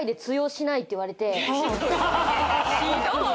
ひどい。